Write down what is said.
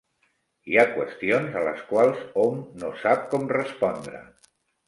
Hi ha qüestions a les quals hom no sap com respondre.